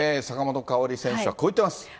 坂本花織選手はこう言っています。